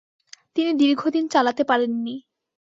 তিনি দীর্ঘদিন চালাতে পারেননি।